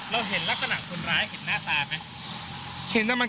แล้วเห็นลักษณะของคนร้ายเห็นหน้าตามั้ย